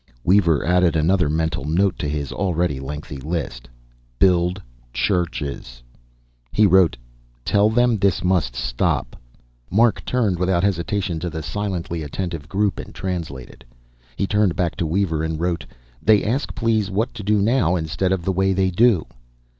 Weaver added another mental note to his already lengthy list: "Build churches." He wrote: "Tell them this must stop." Mark turned without hesitation to the silently attentive group, and translated. He turned back to Weaver and wrote, "They ask please, what to do now instead of the way they do?"